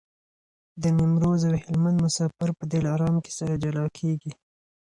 د نیمروز او هلمند مسافر په دلارام کي سره جلا کېږي.